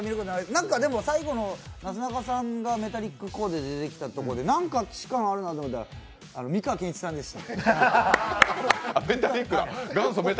最後のなすなかさんがメタリックコーデで出てきたとき、何か既視感があるなと思ったのは、美川憲一さんでした。